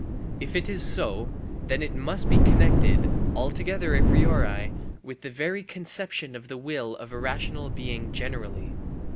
If it is so, then it must be connected (altogether a priori) with the very conception of the will of a rational being generally.